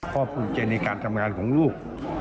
พ่อภูเจนในการทำงานของลูก